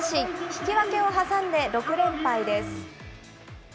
引き分けを挟んで６連敗です。